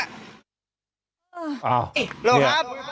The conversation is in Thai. โอ้ยอ้าวเห็นมั้ยครับ